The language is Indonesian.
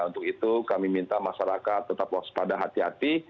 untuk itu kami minta masyarakat tetap waspada hati hati